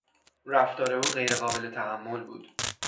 رفتار او غیر قابل تحمل بود.